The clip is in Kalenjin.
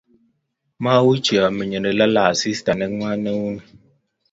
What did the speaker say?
Mauchi ameny olelalee asista nengwan neu nii